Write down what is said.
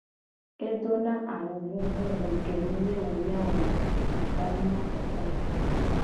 Edona awu vuvu hue ke nu ye wo ya wo le atawui nyakpokpo me.